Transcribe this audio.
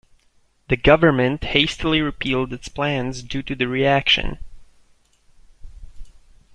The government hastily repealed its plans due to the reaction.